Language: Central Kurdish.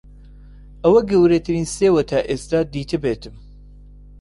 ئەوە گەورەترین سێوە تا ئێستا دیتبێتم.